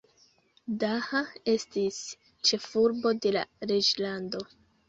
Daha estis ĉefurbo de la reĝlando.